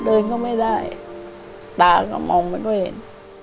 เดินก็ไม่ได้ตาก็มองไม่ค่อยเห็น